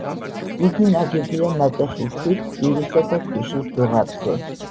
იგი ნაგებია ნატეხი ქვით კირისა და ქვიშის დუღაბზე.